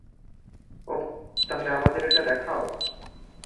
ওহ, তাহলে আমাদের এটা দেখাও!